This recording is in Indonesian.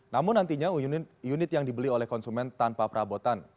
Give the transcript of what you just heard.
namun nantinya unit yang dibeli oleh konsumen tanpa perabotan